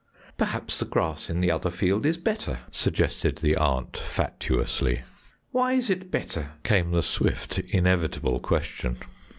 "Perhaps the grass in the other field is better," suggested the aunt fatuously. "Why is it better?" came the swift, inevitable question.